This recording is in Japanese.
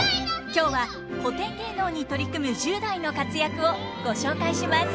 今日は古典芸能に取り組む１０代の活躍をご紹介します。